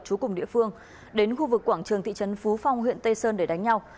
chú cùng địa phương đến khu vực quảng trường thị trấn phú phong huyện tây sơn để đánh nhau